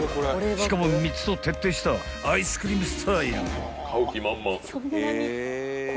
［しかも３つと徹底したアイスクリームスタイル］